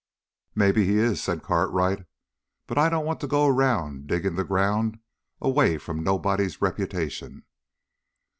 "Maybe he is," said Cartwright. "But I don't want to go around digging the ground away from nobody's reputation."